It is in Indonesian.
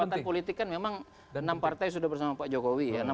kekuatan politik kan memang enam partai sudah bersama pak jokowi ya